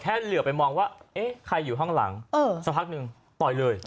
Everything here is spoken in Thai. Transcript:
เหลือไปมองว่าเอ๊ะใครอยู่ข้างหลังสักพักหนึ่งต่อยเลย